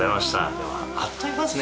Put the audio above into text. でもあっという間ですね。